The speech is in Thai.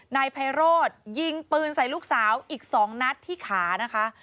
นายไพโรธยิงปืนใส่ลูกสาวอีก๒นัดที่ขานะคะ